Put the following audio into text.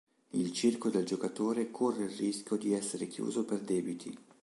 Il circo del giocatore corre il rischio di essere chiuso per debiti.